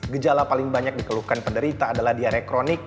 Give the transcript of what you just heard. gejala paling banyak dikeluhkan penderita adalah diare kronik